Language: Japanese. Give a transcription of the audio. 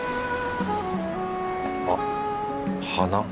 あっ花。